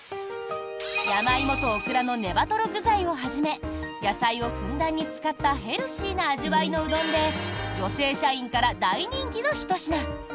ヤマイモとオクラのねばとろ具材をはじめ野菜をふんだんに使ったヘルシーな味わいのうどんで女性社員から大人気のひと品。